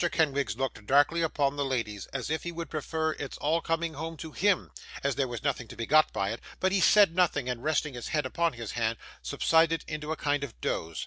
Kenwigs looked darkly upon the ladies, as if he would prefer its all coming home to HIM, as there was nothing to be got by it; but he said nothing, and resting his head upon his hand, subsided into a kind of doze.